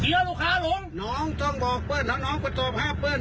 เฮียลูกค้าลงน้องต้องบอกเพิ่มน้องน้องก็ตอบห้าเพิ่ม